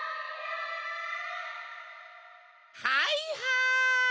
・・はいはい！